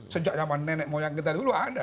sejak zaman nenek moyang kita dulu ada